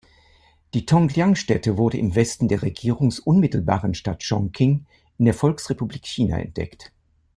Die Tongliang-Stätte wurde im Westen der regierungsunmittelbaren Stadt Chongqing in der Volksrepublik China entdeckt.